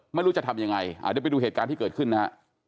ไม่รู้จะทำยังไงเดี๋ยวไปดูเหตุการณ์ที่เกิดขึ้นนะฮะ